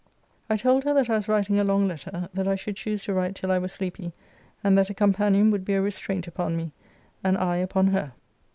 I told her that I was writing a long letter: that I should choose to write till I were sleepy, and that a companion would be a restraint upon me, and I upon her.